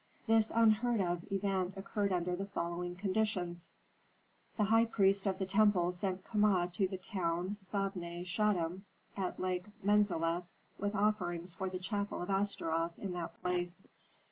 This unheard of event occurred under the following conditions: The high priest of the temple sent Kama to the town Sabne Chetam at Lake Menzaleh with offerings for the chapel of Astaroth in that place.